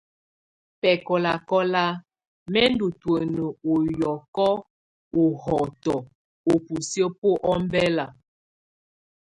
Bɛkɔlakɔla, mɛ ndù tùǝ́nǝ ù yɔkɔ ù hɔtɔ ubusiǝ́ bu ɔmbela.